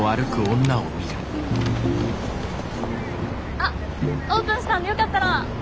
あっオープンしたんでよかったら。